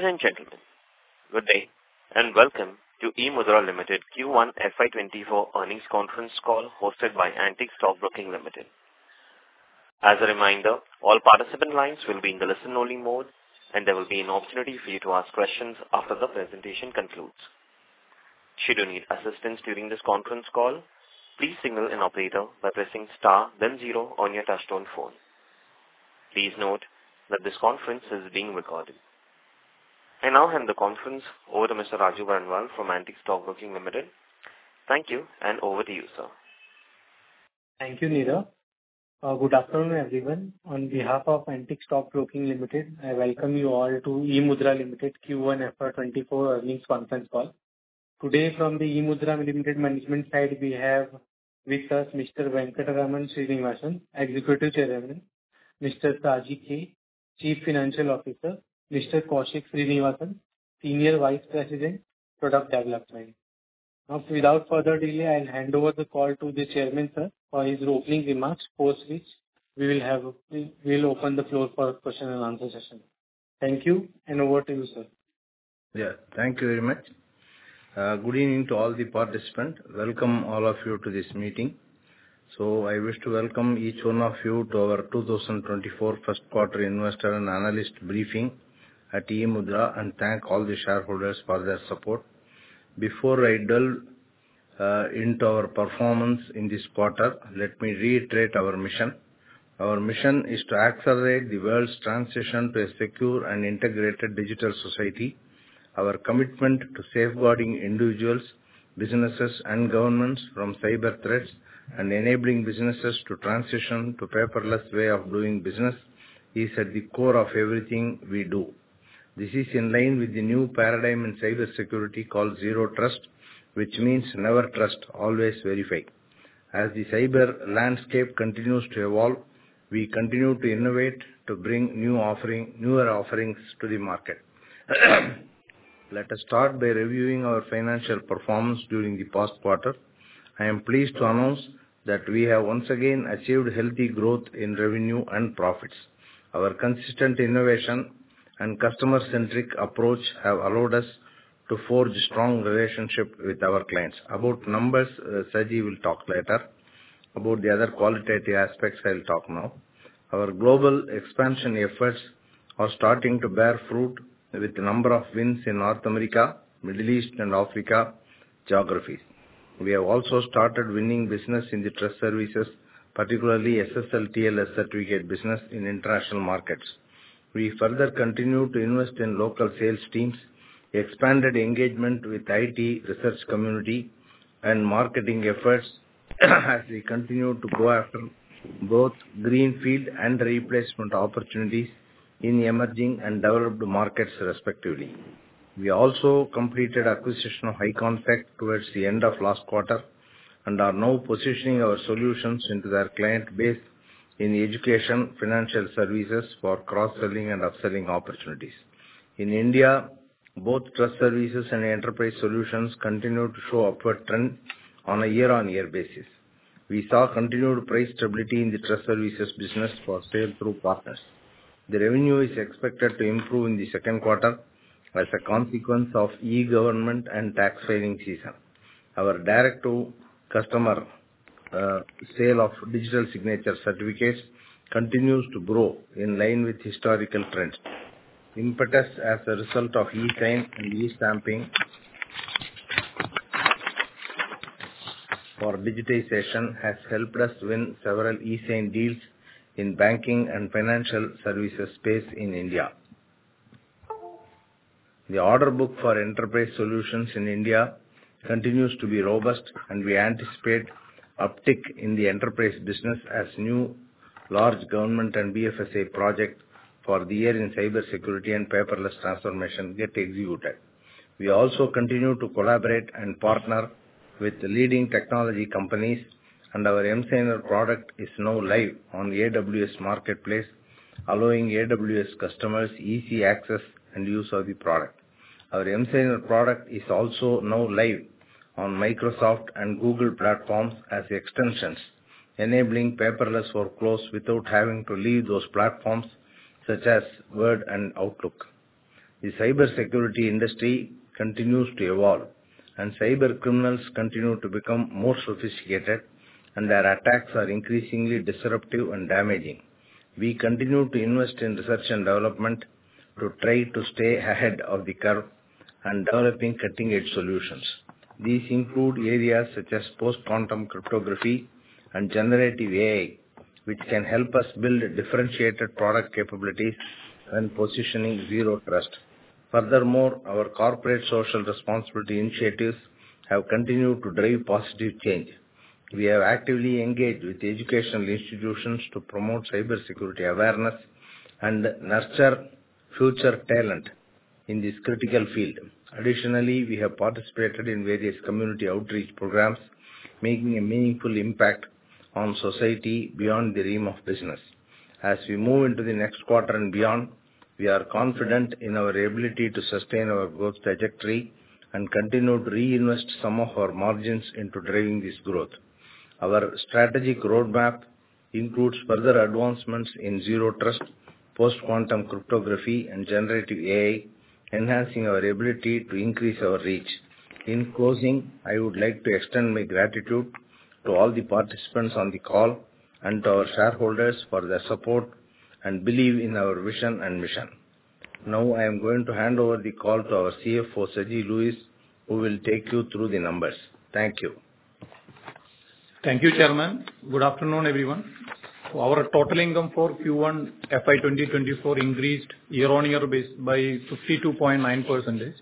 Ladies and gentlemen, good day, and welcome to eMudhra Limited Q1 FY 2024 earnings conference call, hosted by Antique Stock Broking Limited. As a reminder, all participant lines will be in the listen-only mode, and there will be an opportunity for you to ask questions after the presentation concludes. Should you need assistance during this conference call, please signal an operator by pressing star, then zero on your touchtone phone. Please note that this conference is being recorded. I now hand the conference over to Mr. Raju Barnawal from Antique Stock Broking Limited. Thank you, and over to you, sir. Thank you, Neeraj. Good afternoon, everyone. On behalf of Antique Stock Broking Limited, I welcome you all to eMudhra Limited Q1 FY 2024 earnings conference call. Today, from the eMudhra Limited management side, we have with us Mr. Venkatraman Srinivasan, Executive Chairman, Mr. Saji K, Chief Financial Officer, Mr. Kaushik Srinivasan, Senior Vice President, Product Development. Now, without further delay, I'll hand over the call to the Chairman, sir, for his opening remarks, post which we will have, we'll open the floor for question and answer session. Thank you, and over to you, sir. Yeah. Thank you very much. Good evening to all the participants. Welcome, all of you, to this meeting. I wish to welcome each one of you to our 2024 first quarter investor and analyst briefing at eMudhra, and thank all the shareholders for their support. Before I delve into our performance in this quarter, let me reiterate our mission. Our mission is to accelerate the world's transition to a secure and integrated digital society. Our commitment to safeguarding individuals, businesses, and governments from cyber threats, and enabling businesses to transition to paperless way of doing business, is at the core of everything we do. This is in line with the new paradigm in cybersecurity called Zero Trust, which means never trust, always verify. As the cyber landscape continues to evolve, we continue to innovate to bring new offering, newer offerings to the market. Let us start by reviewing our financial performance during the past quarter. I am pleased to announce that we have once again achieved healthy growth in revenue and profits. Our consistent innovation and customer-centric approach have allowed us to forge strong relationship with our clients. About numbers, Saji will talk later. About the other qualitative aspects, I'll talk now. Our global expansion efforts are starting to bear fruit with a number of wins in North America, Middle East, and Africa geographies. We have also started winning business in the trust services, particularly SSL, TLS certificate business in international markets. We further continue to invest in local sales teams, expanded engagement with IT research community, and marketing efforts, as we continue to go after both greenfield and replacement opportunities in emerging and developed markets, respectively. We also completed acquisition of Ikon Tech Services towards the end of last quarter. Are now positioning our solutions into their client base in education, financial services for cross-selling and upselling opportunities. In India, both trust services and enterprise solutions continued to show upward trend on a year-on-year basis. We saw continued price stability in the trust services business for sale through partners. The revenue is expected to improve in the second quarter as a consequence of e-government and tax filing season. Our direct-to-customer sale of digital signature certificates continues to grow in line with historical trends. Impetus, as a result of eSign and e-stamping for digitization, has helped us win several eSign deals in banking and financial services space in India. The order book for enterprise solutions in India continues to be robust, and we anticipate uptick in the enterprise business as new large government and BFSI projects for the year in cybersecurity and paperless transformation get executed. We also continue to collaborate and partner with leading technology companies, and our emSigner product is now live on AWS Marketplace, allowing AWS customers easy access and use of the product. Our emSigner product is also now live on Microsoft and Google platforms as extensions, enabling paperless workflows without having to leave those platforms, such as Word and Outlook. The cybersecurity industry continues to evolve, and cybercriminals continue to become more sophisticated, and their attacks are increasingly disruptive and damaging. We continue to invest in research and development to try to stay ahead of the curve and developing cutting-edge solutions. These include areas such as post-quantum cryptography and generative AI, which can help us build differentiated product capabilities and positioning Zero Trust. Furthermore, our corporate social responsibility initiatives have continued to drive positive change. We are actively engaged with educational institutions to promote cybersecurity awareness and nurture future talent in this critical field. Additionally, we have participated in various community outreach programs, making a meaningful impact on society beyond the realm of business. As we move into the next quarter and beyond, we are confident in our ability to sustain our growth trajectory and continue to reinvest some of our margins into driving this growth. Our strategic roadmap. includes further advancements in Zero Trust, post-quantum cryptography, and generative AI, enhancing our ability to increase our reach. In closing, I would like to extend my gratitude to all the participants on the call and to our shareholders for their support and belief in our vision and mission. Now, I am going to hand over the call to our CFO, Saji Louiz, who will take you through the numbers. Thank you. Thank you, Chairman. Good afternoon, everyone. Our total income for Q1 FY 2024 increased year-on-year basis by 52.9%,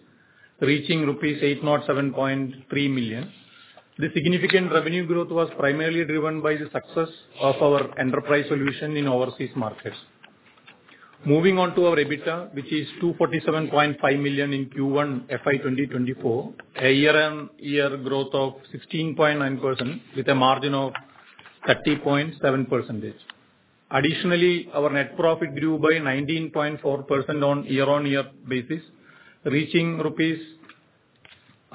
reaching rupees 807.3 million. The significant revenue growth was primarily driven by the success of our enterprise solution in overseas markets. Moving on to our EBITDA, which is 247.5 million in Q1 FY 2024, a year-on-year growth of 16.9%, with a margin of 30.7%. Additionally, our net profit grew by 19.4% on year-on-year basis, reaching INR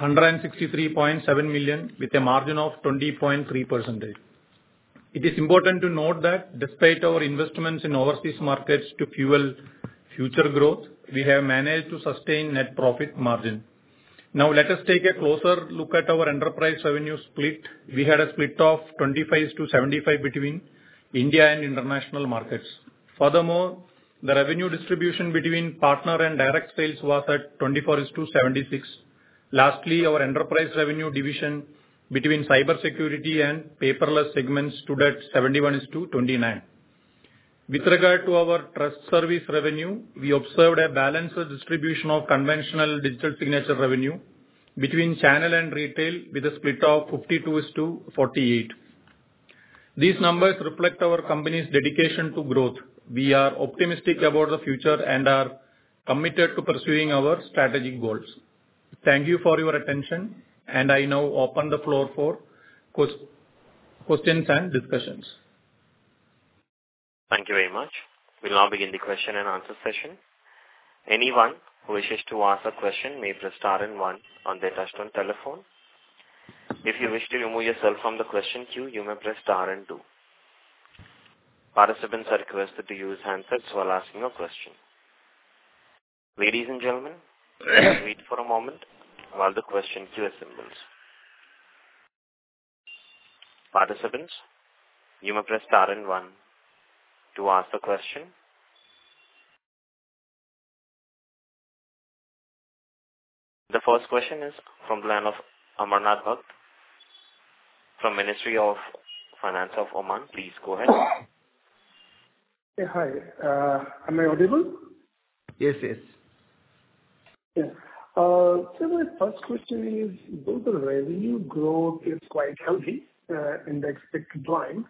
163.7 million, with a margin of 20.3%. It is important to note that despite our investments in overseas markets to fuel future growth, we have managed to sustain net profit margin. Now, let us take a closer look at our enterprise revenue split. We had a split of 25/75 between India and international markets. Furthermore, the revenue distribution between partner and direct sales was at 24/76. Lastly, our enterprise revenue division between cybersecurity and paperless segments stood at 71:29. With regard to our trust service revenue, we observed a balanced distribution of conventional digital signature revenue between channel and retail, with a split of 52/48. These numbers reflect our company's dedication to growth. We are optimistic about the future and are committed to pursuing our strategic goals. Thank you for your attention, and I now open the floor for questions and discussions. Thank you very much. We'll now begin the question-and-answer session. Anyone who wishes to ask a question, may press star and one on their touchtone telephone. If you wish to remove yourself from the question queue, you may press star and two. Participants are requested to use handsets while asking a question. Ladies and gentlemen, please wait for a moment while the question queue assembles. Participants, you may press star and one to ask the question. The first question is from the line of Amarnath Bhakat, from Ministry of Finance of Oman. Please go ahead. Hi, am I audible? Yes, yes. Yeah. My first question is, both the revenue growth is quite healthy, in the expected line.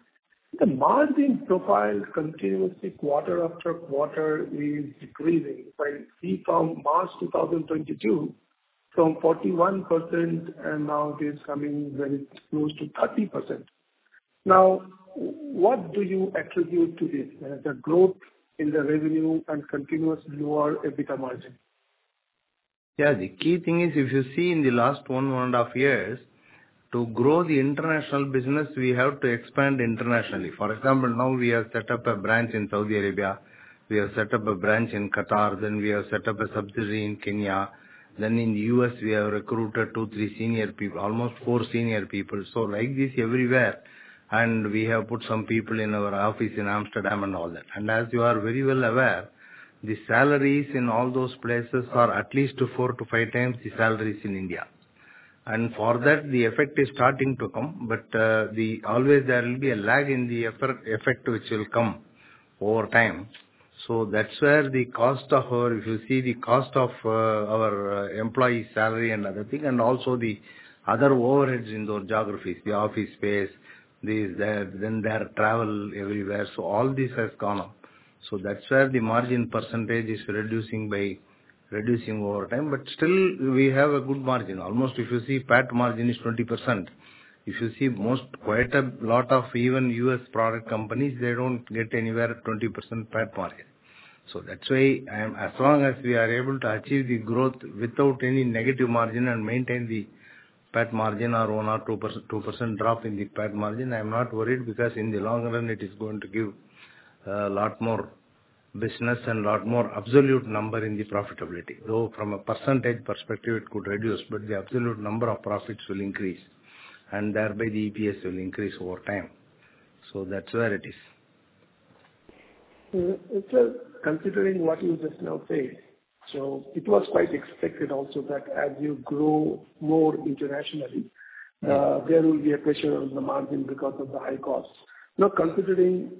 The margin profile continuously, quarter after quarter, is decreasing by see from March 2022, from 41%, and now it is coming very close to 30%. Now, what do you attribute to this, the growth in the revenue and continuous lower EBITDA margin? Yeah, the key thing is, if you see in the last one, one and a half years, to grow the international business, we have to expand internationally. For example, now we have set up a branch in Saudi Arabia, we have set up a branch in Qatar. We have set up a subsidiary in Kenya. In the U.S., we have recruited two, three senior people, almost four senior people. Like this, everywhere, and we have put some people in our office in Amsterdam and all that. As you are very well aware, the salaries in all those places are at least four to five times the salaries in India. For that, the effect is starting to come, but always there will be a lag in the effect, which will come over time. That's where the cost of our. If you see the cost of, our, employee salary and other thing, and also the other overheads in those geographies, the office space, this, that, then there are travel everywhere, all this has gone up. That's where the margin percentage is reducing by reducing over time. Still, we have a good margin. Almost if you see, PAT margin is 20%. If you see most, quite a lot of even US product companies, they don't get anywhere 20% PAT margin. That's why as long as we are able to achieve the growth without any negative margin and maintain the PAT margin, or 1% or 2%, 2% drop in the PAT margin, I'm not worried, because in the long run, it is going to give, a lot more business and a lot more absolute number in the profitability. From a % perspective, it could reduce, but the absolute number of profits will increase, and thereby the EPS will increase over time. That's where it is. It's considering what you just now said, so it was quite expected also that as you grow more internationally. Yes there will be a pressure on the margin because of the high costs. Considering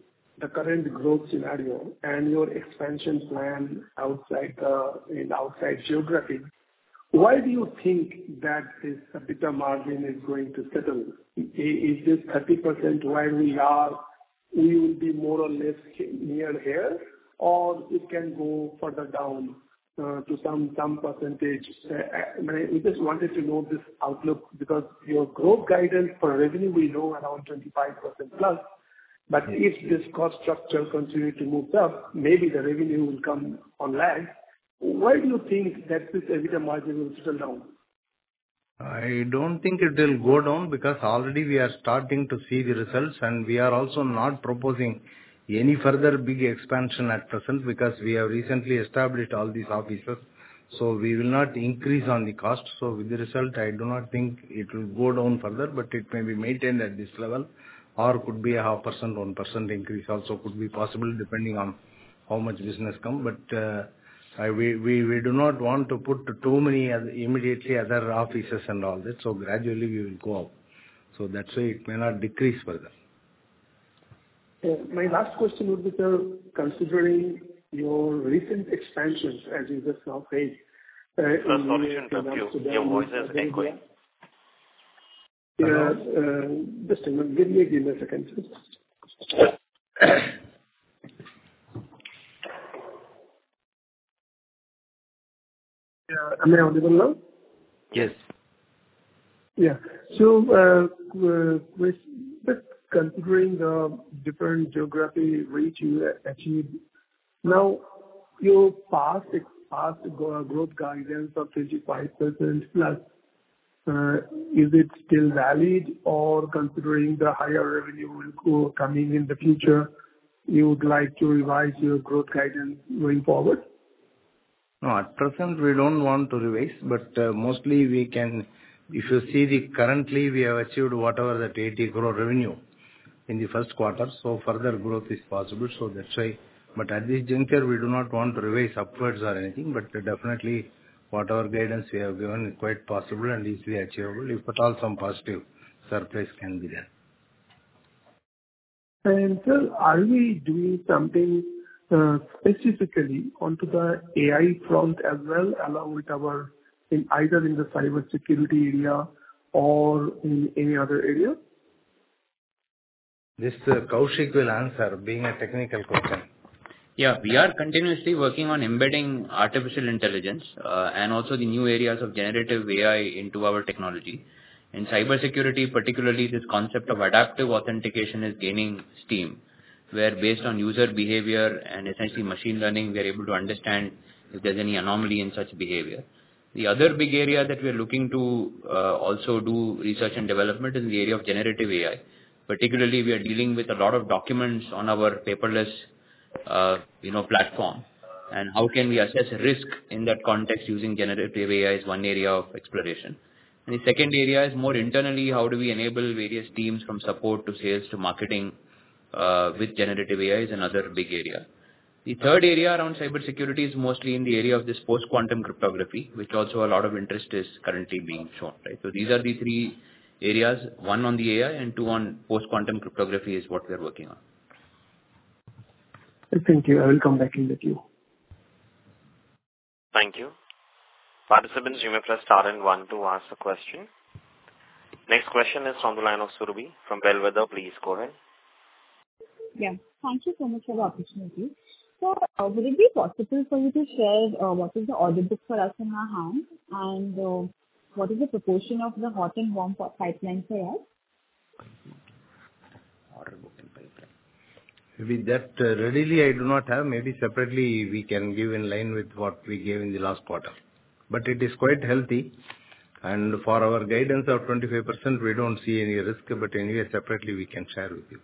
the current growth scenario and your expansion plan outside, in outside geographic, why do you think that this EBITDA margin is going to settle? Is this 30% where we are, we will be more or less near here, or it can go further down to some percentage? We just wanted to know this outlook, because your growth guidance for revenue, we know around 25%+, if this cost structure continues to move up, maybe the revenue will come on lag. Where do you think that this EBITDA margin will settle down? I don't think it will go down, because already we are starting to see the results. We are also not proposing any further big expansion at present, because we have recently established all these offices. We will not increase on the cost. With the result, I do not think it will go down further. It may be maintained at this level or could be a 0.5%-1% increase also could be possible, depending on how much business come. I, we, we, we do not want to put too many other immediately other offices and all that. Gradually we will go up. That's why it may not decrease further. My last question would be, sir, considering your recent expansions, as you just now said. Please hold on, sir. Your voice is echoing. Yeah, just a moment. Give me, give me a second, sir. Am I audible now? Yes. Yeah. With just considering the different geography reach you achieved, now your past growth guidance of 35%+ is it still valid or considering the higher revenue will go coming in the future, you would like to revise your growth guidance going forward? No, at present, we don't want to revise, but mostly we can. If you see the currently, we have achieved whatever that 80 crore revenue in the first quarter, so further growth is possible, so that's why. At this juncture, we do not want to revise upwards or anything, but definitely what our guidance we have given is quite possible and easily achievable. If at all, some positive surplus can be there. Sir, are we doing something specifically onto the AI front as well, along with our, in either in the cybersecurity area or in any other area? This, Kaushik will answer, being a technical question. Yeah. We are continuously working on embedding artificial intelligence and also the new areas of generative AI into our technology. In cybersecurity, particularly, this concept of adaptive authentication is gaining steam, where based on user behavior and essentially machine learning, we are able to understand if there's any anomaly in such behavior. The other big area that we are looking to also do research and development is in the area of generative AI. Particularly, we are dealing with a lot of documents on our paperless, you know, platform. How can we assess risk in that context using generative AI is one area of exploration. The second area is more internally, how do we enable various teams from support to sales to marketing with generative AI is another big area. The third area around cybersecurity is mostly in the area of this post-quantum cryptography, which also a lot of interest is currently being shown, right? These are the three areas, one on the AI and two on post-quantum cryptography, is what we are working on. Thank you. I will come back in the queue. Thank you. Participants, you may press star and one to ask the question. Next question is on the line of Surbhi from Bellwether. Please go ahead. Yeah. Thank you so much for the opportunity. Sir, would it be possible for you to share, what is the order book for us in our hand, and, what is the proportion of the hot and warm pipeline sales? Order book and pipeline. With that, readily I do not have. Maybe separately we can give in line with what we gave in the last quarter, but it is quite healthy. For our guidance of 25%, we don't see any risk, but anyway, separately we can share with you.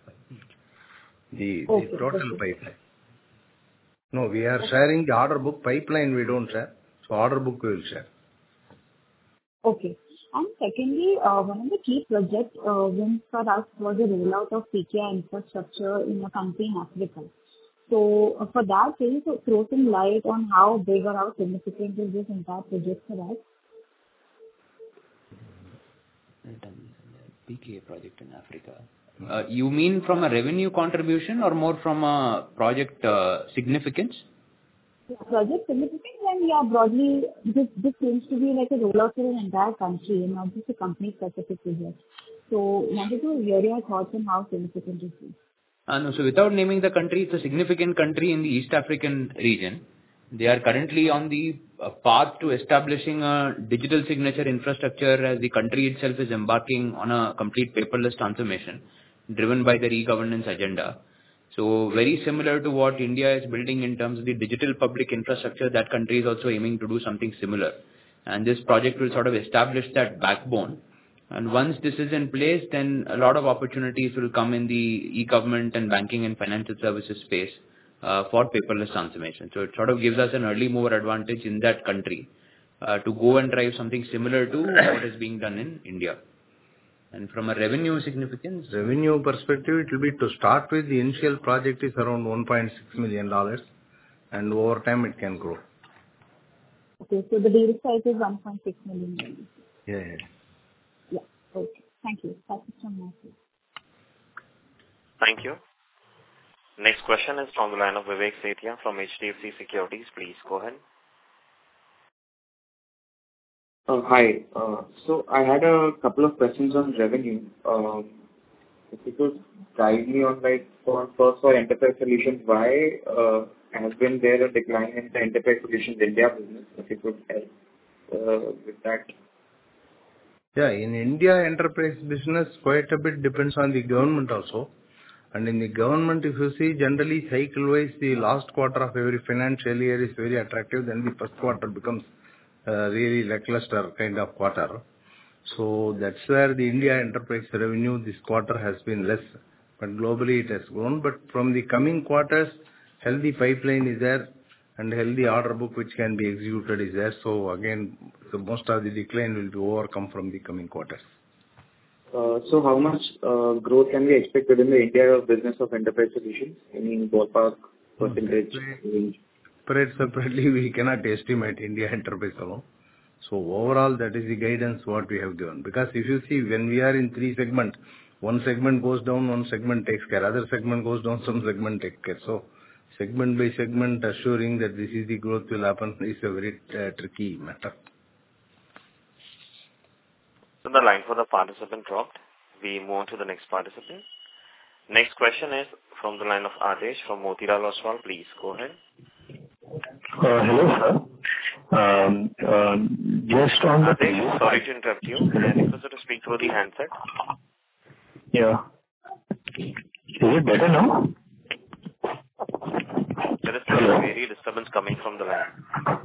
Okay. The total pipeline. No, we are sharing the order book. Pipeline, we don't share. Order book, we'll share. Okay. Secondly, one of the key projects, wins for us was the rollout of PKI infrastructure in a country in Africa. For that, can you sort of throw some light on how big or how significant is this entire project for us? PKI project in Africa. You mean from a revenue contribution or more from a project, significance? Project significance. Yeah, broadly, this seems to be like a rollout in an entire country and not just a company specific to here. Wanted to hear your thoughts on how significant this is? Without naming the country, it's a significant country in the East African region. They are currently on the path to establishing a digital signature infrastructure, as the country itself is embarking on a complete paperless transformation, driven by the e-governance agenda. Very similar to what India is building in terms of the digital public infrastructure, that country is also aiming to do something similar. This project will sort of establish that backbone. Once this is in place, then a lot of opportunities will come in the e-government and banking and financial services space for paperless transformation. It sort of gives us an early mover advantage in that country to go and drive something similar to what is being done in India. From a revenue significance? Revenue perspective, it will be to start with, the initial project is around $1.6 million, and over time it can grow. Okay, the deal size is $1.6 million. Yeah, yeah. Yeah. Okay, thank you. Thank you so much. Thank you. Next question is on the line of Vivek Sethia from HDFC Securities. Please go ahead. Hi. I had a couple of questions on revenue. If you could guide me on, like, for first, for enterprise solutions, why has been there a decline in the enterprise solutions India business, if you could help with that? Yeah, in India, enterprise business, quite a bit depends on the government also. In the government, if you see, generally, cycle-wise, the last quarter of every financial year is very attractive, then the first quarter becomes really lackluster kind of quarter. That's where the India enterprise revenue this quarter has been less, but globally it has grown. From the coming quarters, healthy pipeline is there and healthy order book, which can be executed, is there. Again, the most of the decline will be overcome from the coming quarters. How much growth can be expected in the India business of enterprise solutions? Any ballpark percentage range? Separate, separately, we cannot estimate India enterprise alone. Overall, that is the guidance what we have given. Because if you see, when we are in three segments, one segment goes down, one segment takes care, other segment goes down, some segment takes care. Segment by segment, assuring that this is the growth will happen is a very, tricky matter. The line for the participant dropped. We move on to the next participant. Next question is from the line of Aadesh from Motilal Oswal. Please go ahead. Hello, sir. Sorry to interrupt you. Can you please sort of speak through the handset? Yeah. Is it better now? There is still a very disturbance coming from the line.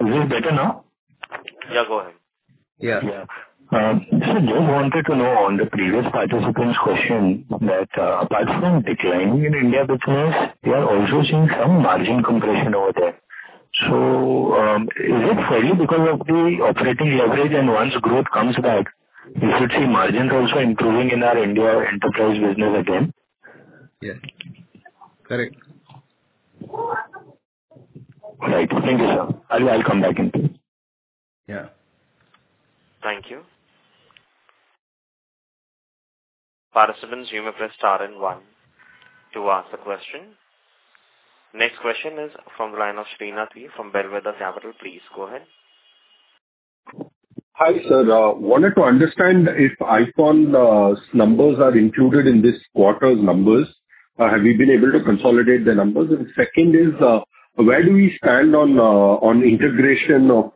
Is it better now? Yeah, go ahead. Yeah. Yeah. Just wanted to know on the previous participant's question, that, apart from declining in India business, we are also seeing some margin compression over there. Is it fairly because of the operating leverage, and once growth comes back, we should see margins also improving in our India enterprise business again? Yes, correct. Right. Thank you, sir. I will, I'll come back in touch. Yeah. Thank you. Participants, you may press star and one to ask the question. Next question is from line of Srinath V. from Bellwether Capital. Please, go ahead. Hi, sir. Wanted to understand if Ikon numbers are included in this quarter's numbers. Have you been able to consolidate the numbers? Second is, where do we stand on integration of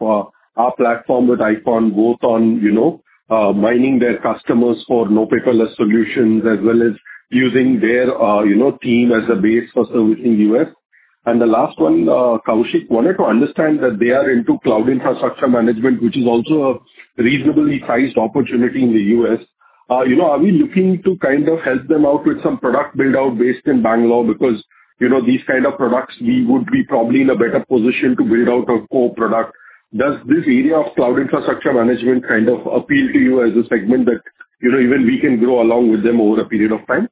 our platform with Ikon, both on, you know, mining their customers for no paperless solutions, as well as using their, you know, team as a base for service in U.S.? The last one, Kaushik wanted to understand that they are into cloud infrastructure management, which is also a reasonably priced opportunity in the U.S. You know, are we looking to kind of help them out with some product build-out based in Bangalore? Because, you know, these kind of products, we would be probably in a better position to build out a core product. Does this area of cloud infrastructure management kind of appeal to you as a segment that, you know, even we can grow along with them over a period of time?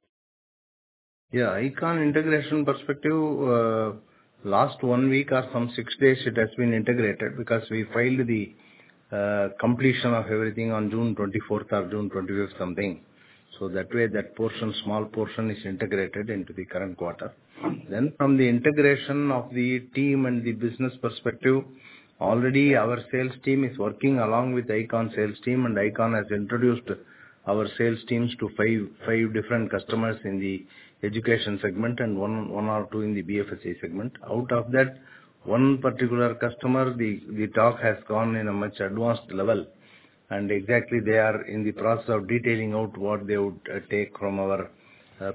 Yeah, Ikon integration perspective, last 1 week or some 6 days, it has been integrated because we filed the completion of everything on June 24th or June 25th, something. That way, that portion, small portion, is integrated into the current quarter. From the integration of the team and the business perspective, already our sales team is working along with Ikon sales team, and Ikon has introduced our sales teams to 5, 5 different customers in the education segment and one, one or two in the BFSI segment. Out of that, one particular customer, the, the talk has gone in a much advanced level, and exactly they are in the process of detailing out what they would take from our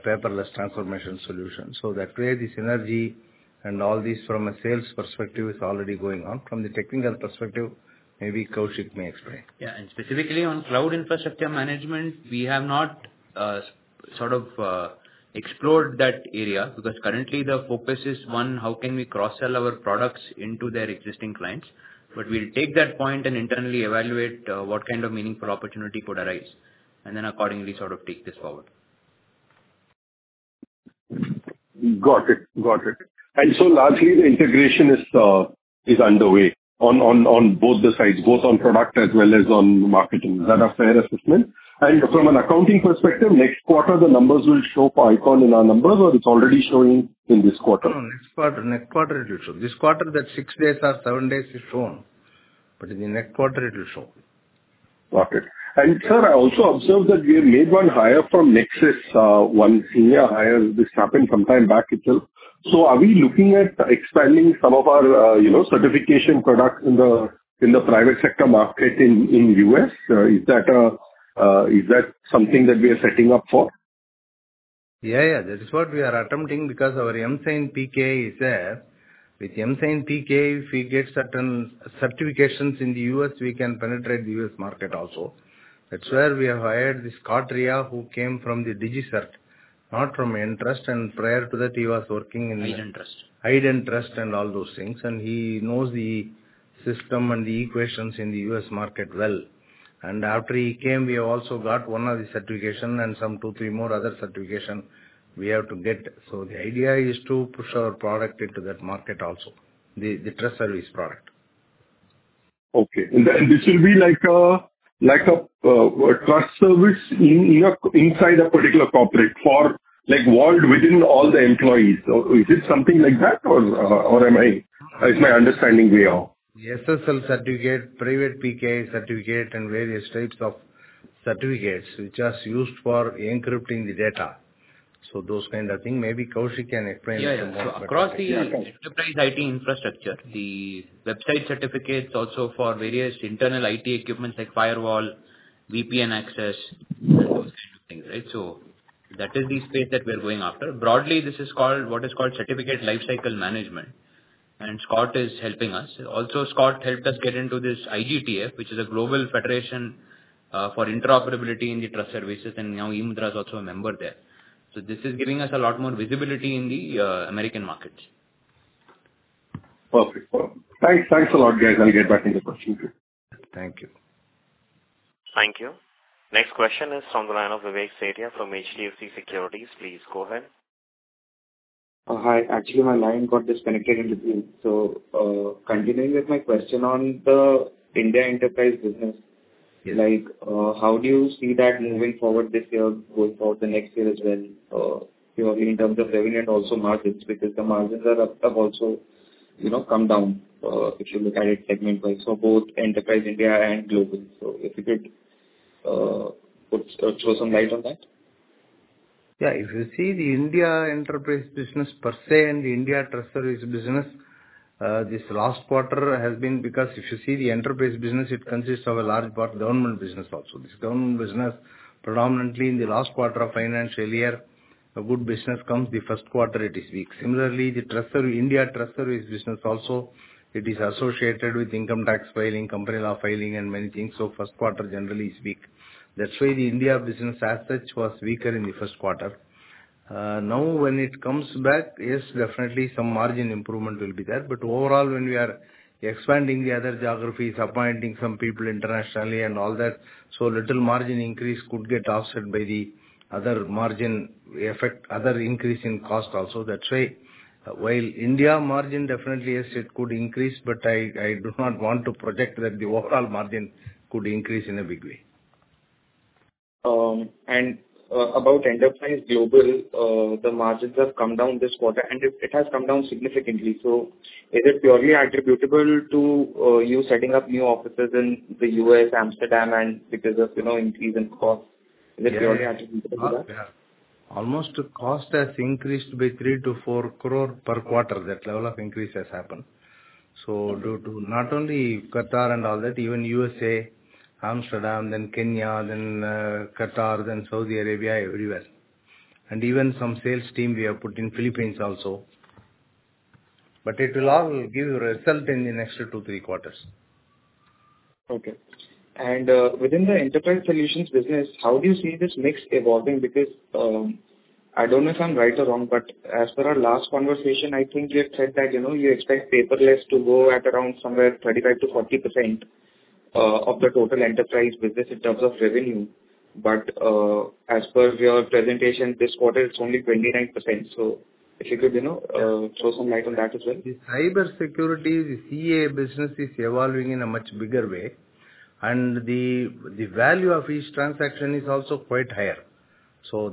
paperless transformation solution. That way, this synergy and all this from a sales perspective is already going on. From the technical perspective, maybe Kaushik may explain. Yeah, specifically on cloud infrastructure management, we have not, sort of, explored that area, because currently the focus is on how can we cross-sell our products into their existing clients. We'll take that point and internally evaluate, what kind of meaningful opportunity could arise, and then accordingly, sort of take this forward. Got it. Got it. Largely the integration is, is underway on, on, on both the sides, both on product as well as on marketing. Is that a fair assessment? From an accounting perspective, next quarter, the numbers will show for ICON in our numbers, or it's already showing in this quarter? No, next quarter, next quarter it will show. This quarter that six days or seven days is shown. In the next quarter it will show. Got it. Sir, I also observed that we have made one hire from Nexus, one senior hire. This happened some time back itself. Are we looking at expanding some of our, you know, certification products in the, in the private sector market in, in U.S.? Is that a, is that something that we are setting up for? Yeah, yeah, that is what we are attempting, because our emSign PKI is there. With emSign PKI, if we get certain certifications in the US, we can penetrate the US market also. That's where we have hired this Scott Rea, who came from the DigiCert, not from Digital Trust, and prior to that he was working in the. IdenTrust. IdenTrust and all those things, he knows the system and the equations in the U.S. market well. After he came, we have also got one of the certification and some two, three more other certification we have to get. The idea is to push our product into that market also, the, the trust services product. Okay. This will be like a, like a, a trust service in, in a, inside a particular corporate for, like, walled within all the employees. Is it something like that or, or am I. Is my understanding way off? SSL certificate, private PKI certificate, and various types of certificates, which are used for encrypting the data. Those kind of thing, maybe Kaushik can explain it more. Yeah, yeah. Across the enterprise IT infrastructure, the website certificates also for various internal IT equipments like firewall, VPN access, things, right? That is the space that we are going after. Broadly, this is called, what is called certificate lifecycle management, and Scott is helping us. Also, Scott helped us get into this IGTF, which is a Global Federation for Interoperability in the Trust Services, and now eMudhra is also a member there. This is giving us a lot more visibility in the American markets. Perfect. Well, thanks, thanks a lot, guys. I'll get back with the questions. Thank you. Thank you. Next question is from the line of Vivek Sethia from HDFC Securities. Please go ahead. Hi. Actually, my line got disconnected in between. Continuing with my question on the India enterprise business, like, how do you see that moving forward this year, going forward the next year as well, purely in terms of revenue and also margins, because the margins are up, but also, you know, come down, if you look at it segment-wise, both enterprise India and global, if you could, put, throw some light on that? Yeah. If you see the India enterprise business per se, and the India trust service business, this last quarter has been because if you see the enterprise business, it consists of a large part government business also. This government business, predominantly in the last quarter of financial year, a good business comes the first quarter, it is weak. Similarly, the trust service, India trust service business also, it is associated with income tax filing, company law filing, and many things. First quarter generally is weak. That's why the India business as such, was weaker in the first quarter. Now when it comes back, yes, definitely some margin improvement will be there. Overall, when we are expanding the other geographies, appointing some people internationally and all that, little margin increase could get offset by the other margin effect, other increase in cost also. That's why while India margin definitely, yes, it could increase, but I, I do not want to project that the overall margin could increase in a big way. About enterprise global, the margins have come down this quarter, and it, it has come down significantly. Is it purely attributable to you setting up new offices in the U.S., Amsterdam, and because of increase in cost? Is it purely attributable to that? Yeah. Almost cost has increased by 3-4 crore per quarter. That level of increase has happened. Due to not only Qatar and all that, even U.S., Amsterdam, then Kenya, then Qatar, then Saudi Arabia, everywhere. Even some sales team we have put in Philippines also. It will all give result in the next 2-3 quarters. Okay. Within the enterprise solutions business, how do you see this mix evolving? Because, I don't know if I'm right or wrong, as per our last conversation, I think you had said that, you know, you expect paperless to go at around somewhere 35%-40%, of the total enterprise business in terms of revenue. As per your presentation this quarter, it's only 29%. If you could, you know, throw some light on that as well. The cybersecurity, the CA business is evolving in a much bigger way, and the, the value of each transaction is also quite higher.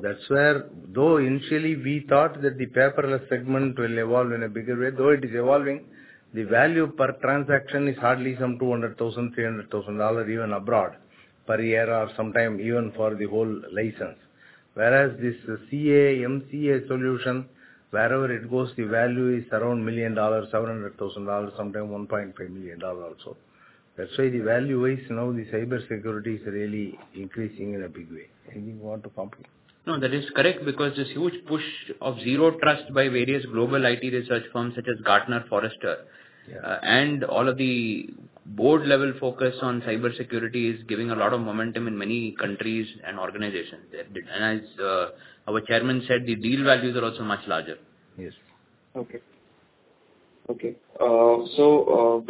That's where, though initially we thought that the paperless segment will evolve in a bigger way, though it is evolving, the value per transaction is hardly some $200,000-$300,000, even abroad, per year or sometime even for the whole license. Whereas this CA, emCA solution, wherever it goes, the value is around $1 million, $700,000, sometime $1.5 million also. That's why the value-wise now, the cybersecurity is really increasing in a big way. Anything you want to complete? No, that is correct, because this huge push of Zero Trust by various global IT research firms such as Gartner, Forrester. Yeah. All of the board-level focus on cybersecurity is giving a lot of momentum in many countries and organizations. There. As our Chairman said, the deal values are also much larger. Yes. Okay. Okay.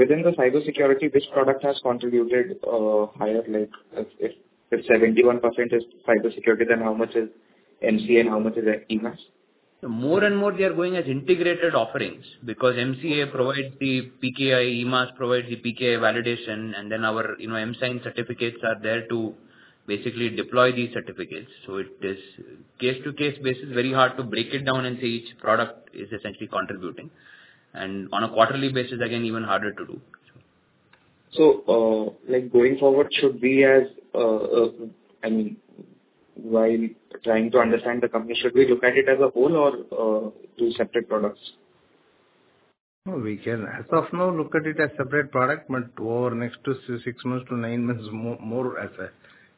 Within the cybersecurity, which product has contributed, higher, like if, if 71% is cybersecurity, then how much is emCA and how much is emAS? More and more we are going as integrated offerings because MCA provides the PKI, emAS provides the PKI validation, and then our, you know, emSign certificates are there to basically deploy these certificates. It is case-to-case basis, very hard to break it down and say each product is essentially contributing. On a quarterly basis, again, even harder to do. Like going forward, should we as, I mean, while trying to understand the company, should we look at it as a whole or, 2 separate products? No, we can as of now look at it as separate product, but over next to six months to nine months, more as a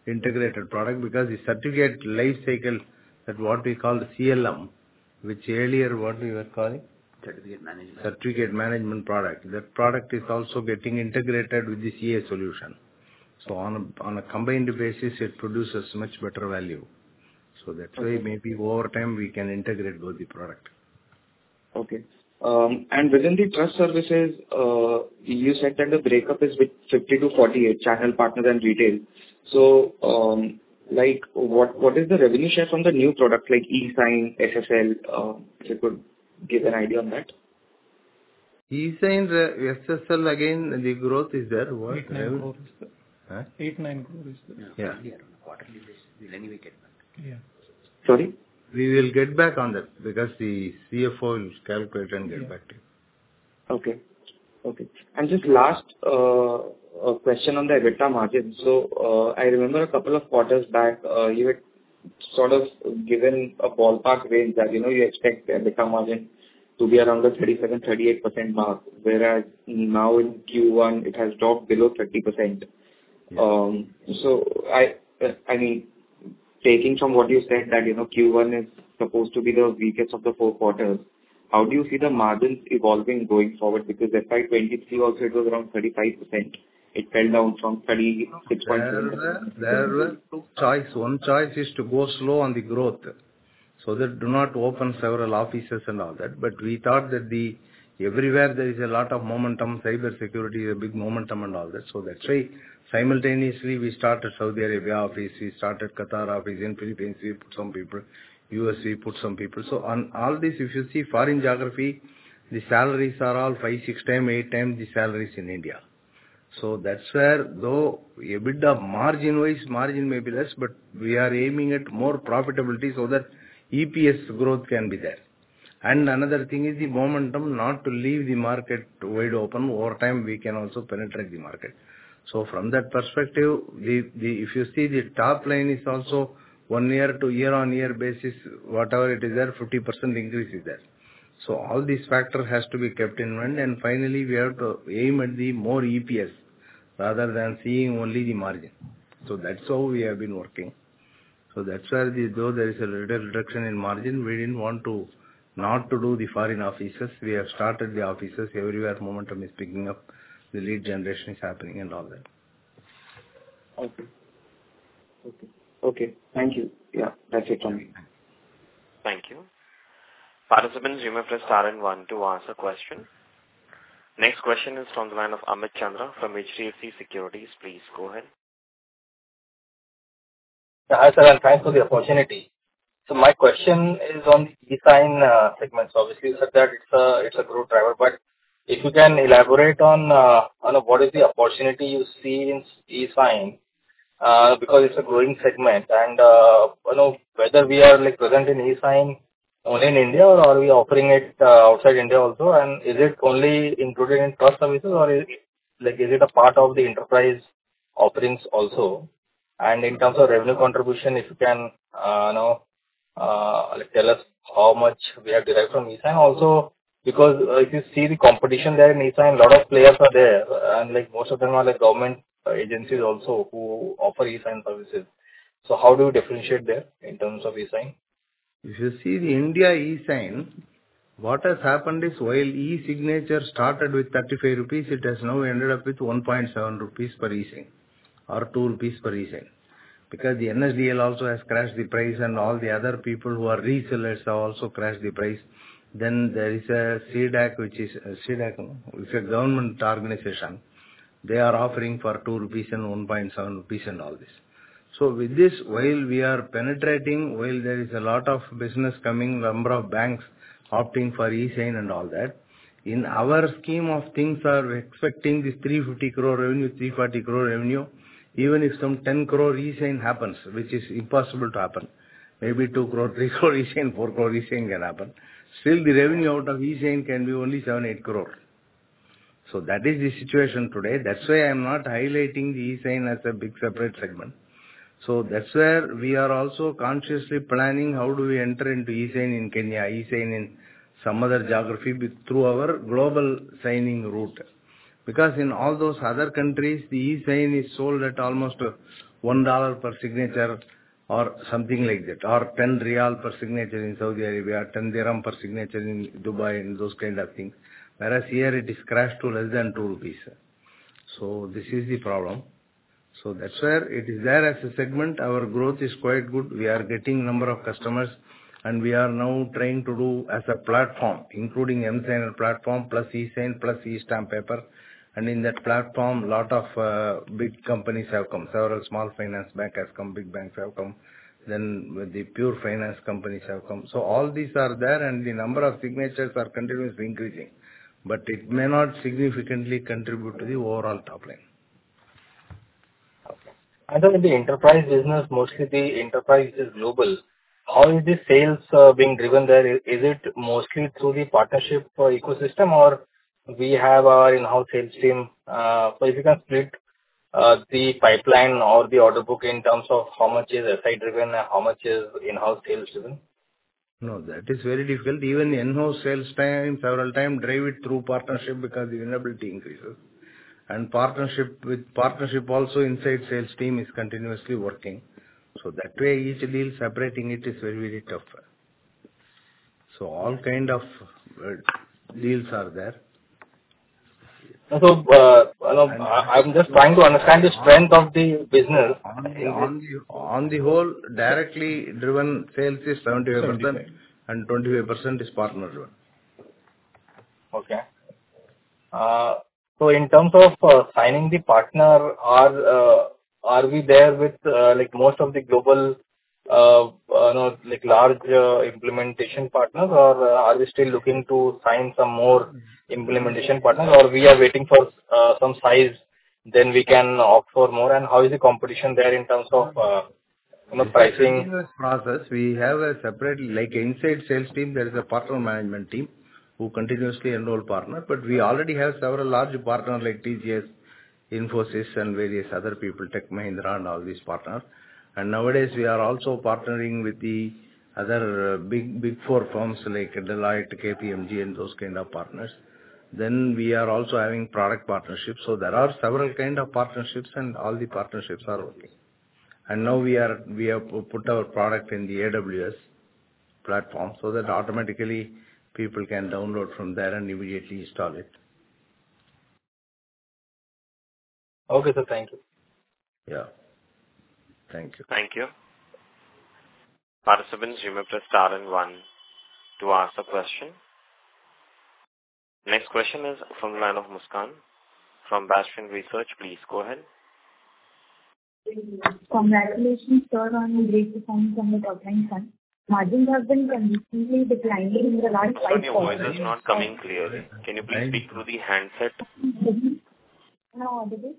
integrated product. Because the certificate lifecycle, that what we call the CLM, which earlier, what we were calling? Certificate management. Certificate management product. That product is also getting integrated with the emCA solution. On, on a combined basis, it produces much better value. Okay. That's why maybe over time, we can integrate both the product. Okay. Within the trust services, you said that the breakup is with 50-48 channel partners and retail. Like, what, what is the revenue share from the new product like eSign, SSL? If you could give an idea on that. eSign, the SSL, again, the growth is there. What? 8-9 crore is there. Huh? INR 8.9 crore is there. Yeah. Quarterly basis, we'll anyway get back. Yeah. Sorry? We will get back on that because the CFO will calculate and get back to you. Okay, okay. Just last question on the EBITDA margin. I remember a couple of quarters back, you had sort of given a ballpark range that, you know, you expect the EBITDA margin to be around the 37%-38% mark. Whereas now in Q1, it has dropped below 30%. I, I mean taking from what you said, that, you know, Q1 is supposed to be the weakest of the four quarters, how do you see the margins evolving going forward? Because FY 2023 also, it was around 35%. It fell down from 36 point- There were 2 choice. One choice is to go slow on the growth, so that do not open several offices and all that. We thought that everywhere there is a lot of momentum, cybersecurity is a big momentum and all that. That's why simultaneously, we started Saudi Arabia office, we started Qatar office, in Philippines we put some people, U.S. we put some people. On all this, if you see foreign geography, the salaries are all 5x, 6x, 8x the salaries in India. That's where, though EBITDA margin-wise, margin may be less, but we are aiming at more profitability so that EPS growth can be there. Another thing is the momentum not to leave the market wide open. Over time, we can also penetrate the market. From that perspective. If you see the top line is also one year to year-on-year basis, whatever it is there, 50% increase is there. All these factor has to be kept in mind, and finally, we have to aim at the more EPS rather than seeing only the margin. That's how we have been working. That's where the, though there is a little reduction in margin, we didn't want to, not to do the foreign offices. We have started the offices. Everywhere, momentum is picking up, the lead generation is happening and all that. Okay. Okay. Okay, thank you. Yeah, that's it from me. Thank you. Participants, you may press star and 1 to ask a question. Next question is from the line of Amit Chandra from HDFC Securities. Please go ahead. Yeah, hi, sir, thanks for the opportunity. My question is on eSign segments. Obviously, you said that it's a growth driver, if you can elaborate on what is the opportunity you see in eSign because it's a growing segment, you know, whether we are, like, present in eSign only in India or are we offering it outside India also? Is it only included in core services or is it a part of the enterprise offerings also? In terms of revenue contribution, if you can, you know, like, tell us how much we have derived from eSign. Because if you see the competition there in eSign, a lot of players are there, like, most of them are government agencies also who offer eSign services. How do you differentiate there in terms of eSign? If you see the India eSign, what has happened is, while e-signature started with 35 rupees, it has now ended up with 1.7 rupees per eSign, or 2 rupees per eSign. The NSDL also has crashed the price, and all the other people who are resellers have also crashed the price. There is a C-DAC, which is a C-DAC, which is a government organization. They are offering for 2 rupees and 1.7 rupees and all this. With this, while we are penetrating, while there is a lot of business coming, number of banks opting for eSign and all that, in our scheme of things are expecting this 350 crore revenue, 340 crore revenue, even if some 10 crore eSign happens, which is impossible to happen, maybe 2 crore, 3 crore eSign, 4 crore eSign can happen, still the revenue out of eSign can be only 7 crore-8 crore. That is the situation today. That's why I'm not highlighting the eSign as a big separate segment. That's where we are also consciously planning how do we enter into eSign in Kenya, eSign in some other geography through our global signing route. Because in all those other countries, the eSign is sold at almost $1 per signature or something like that, or 10 riyal per signature in Saudi Arabia, 10 dirham per signature in Dubai and those kind of things. Whereas here it is crashed to less than 2 rupees. This is the problem. That's where it is there as a segment. Our growth is quite good. We are getting number of customers, and we are now trying to do as a platform, including emSigner platform, plus eSign, plus eStamp paper. In that platform, a lot of big companies have come. Several small finance bank has come, big banks have come, then the pure finance companies have come. All these are there, and the number of signatures are continuously increasing, but it may not significantly contribute to the overall top line. Okay. Then the enterprise business, mostly the enterprise is global. How is the sales being driven there? Is it mostly through the partnership ecosystem or we have our in-house sales team? If you can split the pipeline or the order book in terms of how much is SI-driven and how much is in-house sales driven? No, that is very difficult. Even the in-house sales time, several time drive it through partnership because the inability increases. Partnership partnership also inside sales team is continuously working, so that way, easily separating it is very, very tough. All kind of deals are there. I, I'm just trying to understand the strength of the business. On the whole, directly driven sales is 75%, and 25% is partner-driven. Okay. So in terms of signing the partner, are we there with like most of the global, like large, implementation partners, or are we still looking to sign some more implementation partners? We are waiting for some size, then we can opt for more? How is the competition there in terms of process? We have a separate, like inside sales team. There is a partner management team who continuously enroll partner. We already have several large partners like TGS, Infosys, and various other people, Tech Mahindra and all these partners. Nowadays we are also partnering with the other big, big four firms like Deloitte, KPMG, and those kind of partners. We are also having product partnerships. There are several kind of partnerships, and all the partnerships are okay. Now we have put our product in the AWS platform, so that automatically people can download from there and immediately install it. Okay, sir. Thank you. Yeah. Thank you. Thank you. Participants, you may press star 1 to ask a question. Next question is from the line of Muskan, from Bastion Research. Please go ahead. Congratulations, sir, on your great performance on the top-line front. Margins have been consistently declining in the last five- Your voice is not coming clearly. Can you please speak through the handset? Am I audible?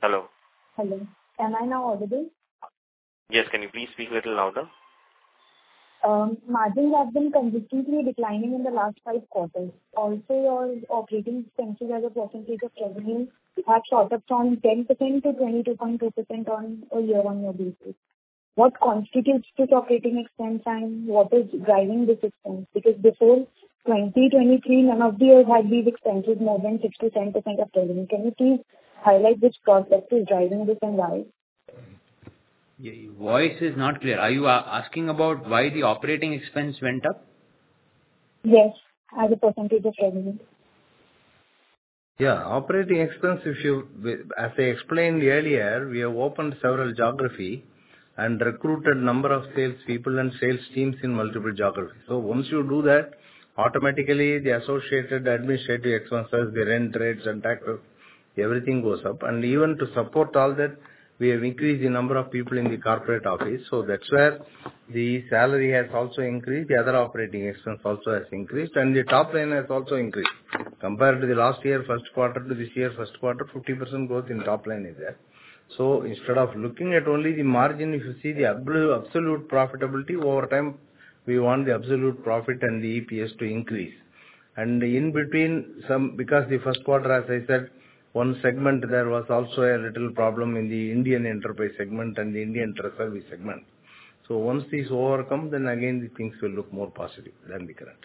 Hello. Hello. Am I now audible? Yes. Can you please speak a little louder? Margins have been consistently declining in the last 5 quarters. Also, your operating expenses as a percentage of revenue have shot up from 10%-22.2% on a year-on-year basis. What constitutes this operating expense, and what is driving this expense? Because before 2023, none of the years had these expenses more than 67% of revenue. Can you please highlight which process is driving this and why? Your voice is not clear. Are you asking about why the operating expense went up? Yes, as a % of revenue. Yeah, operating expense, if you. As I explained earlier, we have opened several geography and recruited number of sales people and sales teams in multiple geographies. Once you do that, automatically the associated administrative expenses, the rent rates and taxes, everything goes up. Even to support all that, we have increased the number of people in the corporate office. That's where the salary has also increased, the other operating expense also has increased, and the top line has also increased. Compared to the last year, first quarter to this year, first quarter, 50% growth in top line is there. Instead of looking at only the margin, if you see the absolute profitability over time, we want the absolute profit and the EPS to increase. In between some, because the first quarter, as I said, one segment, there was also a little problem in the Indian enterprise segment and the Indian trust service segment. Once this overcome, then again the things will look more positive than the current.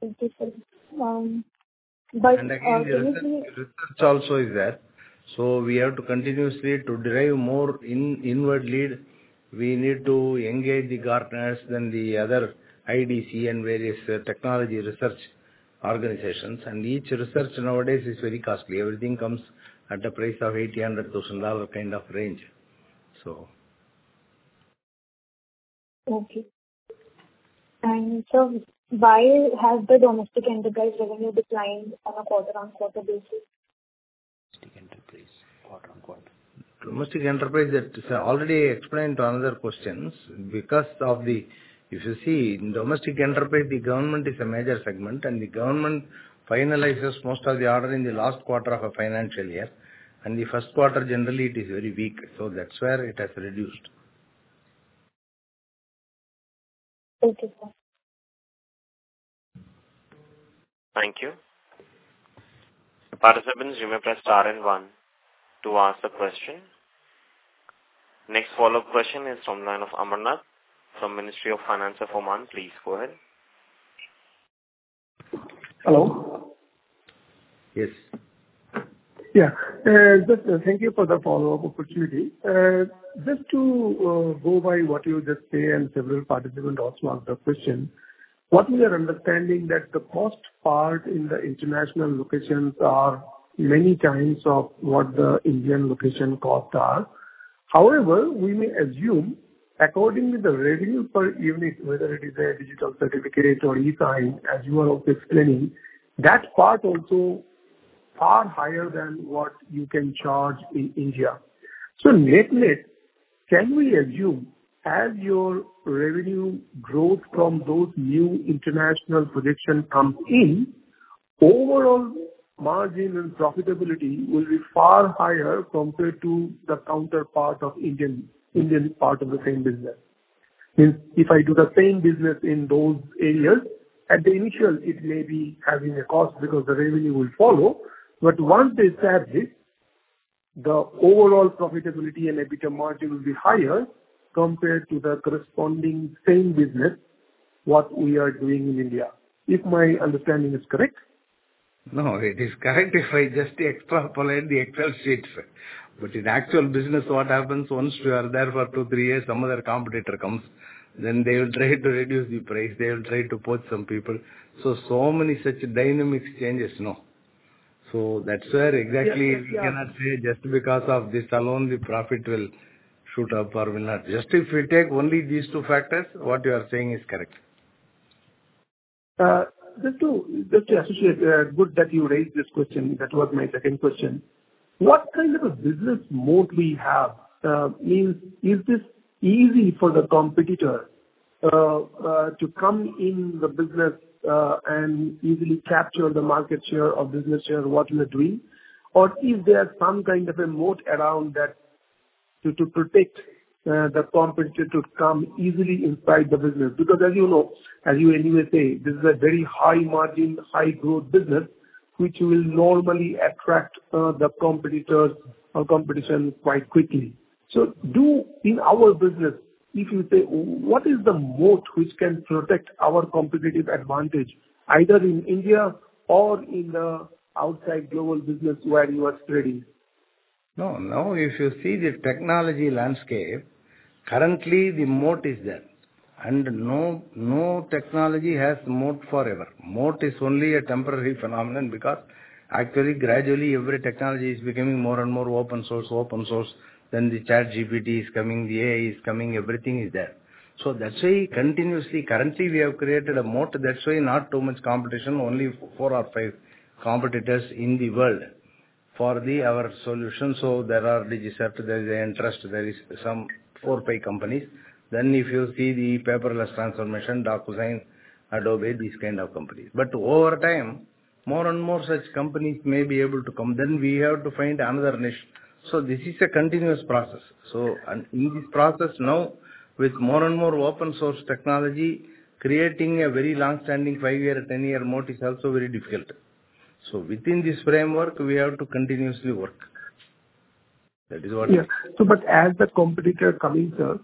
Thank you, sir. Again, research also is there, so we have to continuously to derive more inward lead, we need to engage the partners than the other IDC and various technology research organizations. Each research nowadays is very costly. Everything comes at a price of $80,000-$100,000 kind of range. Okay. sir, why has the domestic enterprise revenue declined on a quarter-on-quarter basis? Domestic enterprise, quarter-on-quarter. Domestic enterprise, that is already explained to another questions. If you see, in domestic enterprise, the government is a major segment, and the government finalizes most of the order in the last quarter of a financial year, and the 1st quarter, generally it is very weak. That's where it has reduced. Thank you, sir. Thank you. Participants, you may press star and one to ask the question. Next follow-up question is from line of Amarnath from Ministry of Finance of Oman. Please go ahead. Hello? Yes. Yeah. Just thank you for the follow-up opportunity. Just to go by what you just say, and several participants also asked the question, what we are understanding that the cost part in the international locations are many times of what the Indian location costs are. However, we may assume, according to the revenue per unit, whether it is a digital certificate or eSign, as you are also explaining, that part also far higher than what you can charge in India. Net, net, can we assume, as your revenue growth from those new international projection come in, overall margin and profitability will be far higher compared to the counterpart of Indian, Indian part of the same business? If, if I do the same business in those areas, at the initial, it may be having a cost because the revenue will follow, but once they set it, the overall profitability and EBITDA margin will be higher compared to the corresponding same business, what we are doing in India. If my understanding is correct? No, it is correct if I just extrapolate the Excel sheet. In actual business, what happens, once you are there for two, three years, some other competitor comes, then they will try to reduce the price, they will try to poach some people. So many such dynamics changes, no? That's where exactly. Yes. We cannot say just because of this alone, the profit will shoot up or will not. Just if you take only these two factors, what you are saying is correct. Just to, just to associate, good that you raised this question, that was my second question. What kind of a business moat we have? Means, is this easy for the competitor to come in the business and easily capture the market share or business share, what you are doing? Or is there some kind of a moat around that to protect the competitor to come easily inside the business? Because as you know, as you anyway say, this is a very high margin, high growth business, which will normally attract the competitors or competition quite quickly. Do, in our business, if you say, what is the moat which can protect our competitive advantage, either in India or in the outside global business where you are spreading? No, now, if you see the technology landscape, currently the moat is there. No, no technology has moat forever. Moat is only a temporary phenomenon because actually, gradually, every technology is becoming more and more open source. Open source, then the ChatGPT is coming, the AI is coming, everything is there. That's why continuously, currently, we have created a moat. That's why not too much competition, only four or five competitors in the world for the our solution. There are Digiset, there is Entrust, there is some four, five companies. If you see the paperless transformation, DocuSign, Adobe, these kind of companies. Over time, more and more such companies may be able to come. We have to find another niche. This is a continuous process. In this process now, with more and more open source technology, creating a very long-standing 5-year, 10-year moat is also very difficult. Within this framework, we have to continuously work. That is what. Yeah. But as the competitor are coming, sir,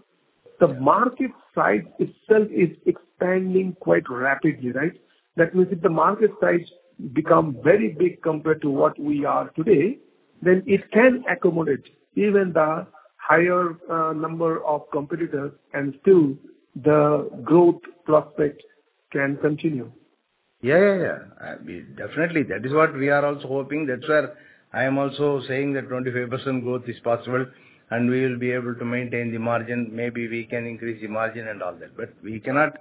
the market size itself is expanding quite rapidly, right? That means if the market size become very big compared to what we are today, then it can accommodate even the higher number of competitors, and still, the growth prospect can continue. Yeah, yeah, yeah. Definitely, that is what we are also hoping. That's where I am also saying that 25% growth is possible, we will be able to maintain the margin. Maybe we can increase the margin and all that, we cannot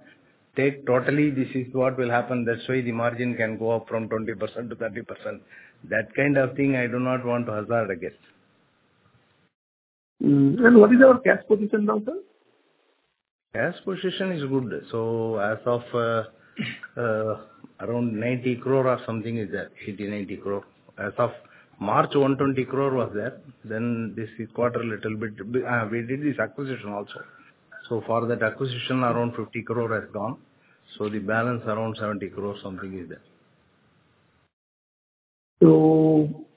take totally this is what will happen. That's why the margin can go up from 20%-30%. That kind of thing I do not want to hazard a guess. Mm. What is our cash position now, sir? Cash position is good. As of, around 90 crore or something is there, 80-90 crore. As of March, 120 crore was there. This quarter, little bit, we did this acquisition also. For that acquisition, around 50 crore has gone, the balance, around 70 crore, something is there.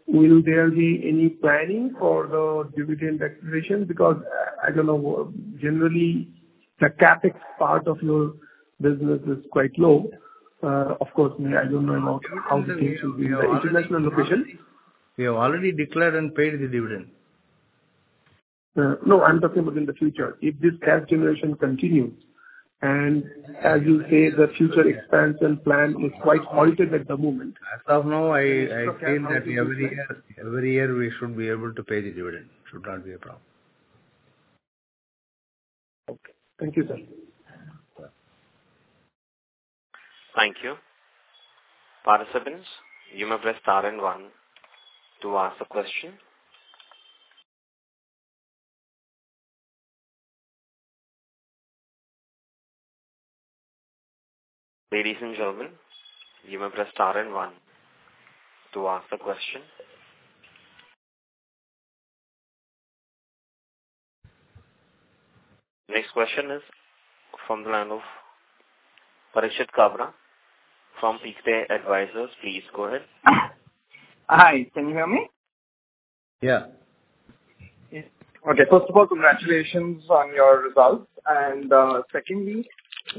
Will there be any planning for the dividend declaration? Because I, I don't know, generally, the CapEx part of your business is quite low. Of course, I don't know about how the things will be in the international location. We have already declared and paid the dividend. No, I'm talking about in the future, if this cash generation continues, and as you say, the future expansion plan is quite halted at the moment. As of now, I think that every year, every year we should be able to pay the dividend. Should not be a problem. Okay. Thank you, sir. Bye. Thank you. Participants, you may press star and 1 to ask a question. Ladies and gentlemen, you may press star and 1 to ask a question. Next question is from the line of Parikshit Kabra from Pkeday Advisors. Please go ahead. Hi, can you hear me? Yeah. Okay. First of all, congratulations on your results. secondly,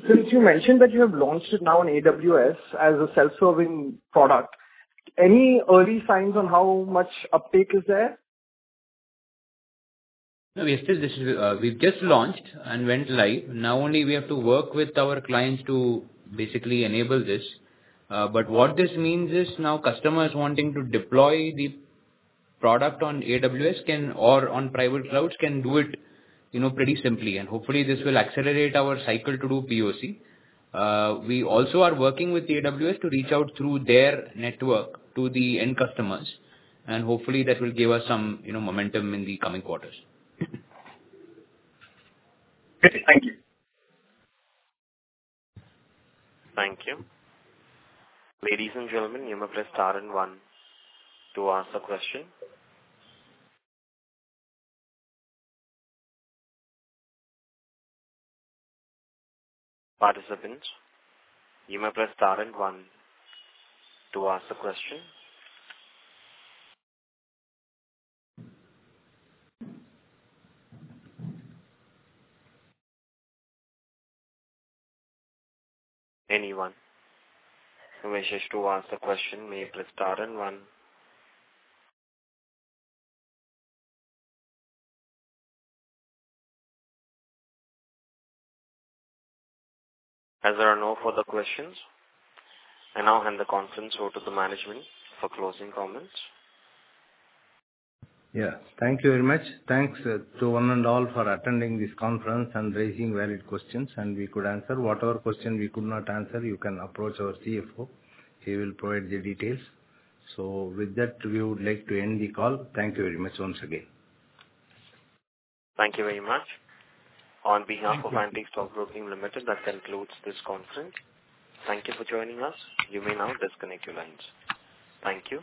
since you mentioned that you have launched it now on AWS as a self-serving product, any early signs on how much uptake is there? No, we are still. This is, we've just launched and went live. Now only we have to work with our clients to basically enable this. What this means is, now customers wanting to deploy the product on AWS can, or on private clouds, can do it, you know, pretty simply, and hopefully, this will accelerate our cycle to do POC. We also are working with AWS to reach out through their network to the end customers, and hopefully, that will give us some, you know, momentum in the coming quarters. Great. Thank you. Thank you. Ladies and gentlemen, you may press star and one to ask a question. Participants, you may press star and one to ask a question. Anyone who wishes to ask the question, may press star and one. As there are no further questions, I now hand the conference over to the management for closing comments. Yeah. Thank you very much. Thanks to one and all for attending this conference and raising valid questions, and we could answer. Whatever question we could not answer, you can approach our CFO, he will provide the details. With that, we would like to end the call. Thank you very much once again. Thank you very much. On behalf of Antique Stock Broking Limited, that concludes this conference. Thank you for joining us. You may now disconnect your lines. Thank you.